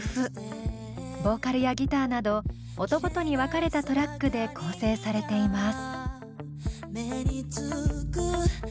ボーカルやギターなど音ごとに分かれたトラックで構成されています。